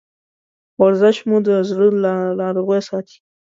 ورزش مو د زړه له ناروغیو ساتي.